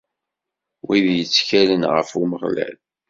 Wid yettkalen ɣef Umeɣlal.